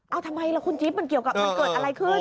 เอาทำไมล่ะคุณจิ๊บมันเกี่ยวกับมันเกิดอะไรขึ้น